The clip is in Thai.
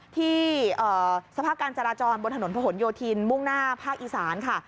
สภาพการจราจรบนถนนผนโยธินมุ่งหน้าภาคอีสานค่ะ